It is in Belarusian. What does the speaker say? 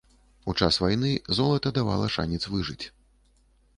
У час вайны золата давала шанец выжыць.